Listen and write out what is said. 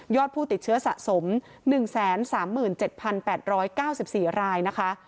ผู้ติดเชื้อสะสม๑๓๗๘๙๔รายนะคะ